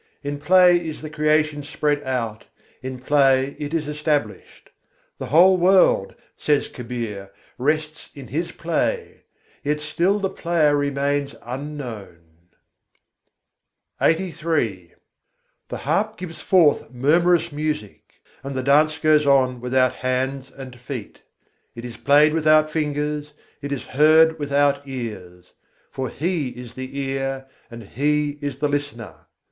In play is the Creation spread out, in play it is established. The whole world, says Kabîr, rests in His play, yet still the Player remains unknown. LXXXIII III. 84. jhî jhî jantar bâjai The harp gives forth murmurous music; and the dance goes on without hands and feet. It is played without fingers, it is heard without ears: for He is the ear, and He is the listener.